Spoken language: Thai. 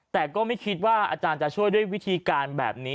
แต่ก็ไม่คิดว่าอาจารย์จะช่วยด้วยวิธีการแบบนี้